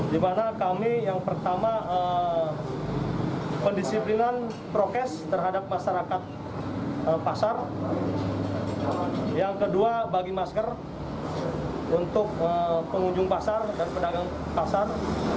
di mana kami yang pertama pendisiplinan prokes terhadap masyarakat pasar yang kedua bagi masker untuk pengunjung pasar dan pedagang pasar